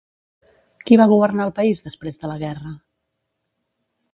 Qui va governar el país després de la guerra?